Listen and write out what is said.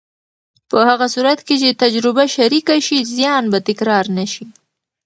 په هغه صورت کې چې تجربه شریکه شي، زیان به تکرار نه شي.